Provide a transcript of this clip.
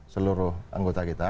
seluruh anggota kita